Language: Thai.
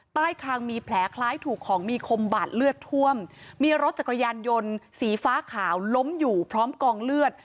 ใต้คางมีแผลคล้ายถูกของมีคมบาดเลือดท่วมมีรถจักรยานยนต์สีฟ้าขาวล้มอยู่พร้อมกองเลือด